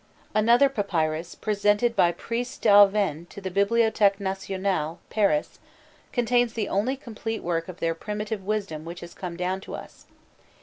Another papyrus, presented by Prisse d'Avennes to the Bibliothèque Nationale, Paris, contains the only complete work of their primitive wisdom which has come down to us.